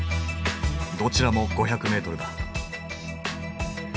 どちらも５００ｍだ。